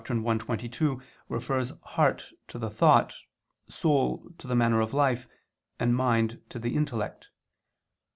i, 22) refers "heart" to the thought, "soul" to the manner of life, and "mind" to the intellect.